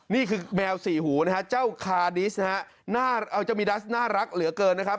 นี่คือแมวสี่หูนะฮะเจ้าคาดิสนะฮะน่าจะมีดัสน่ารักเหลือเกินนะครับ